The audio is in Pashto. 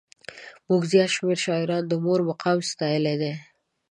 زموږ زیات شمېر شاعرانو د مور مقام ستایلی دی.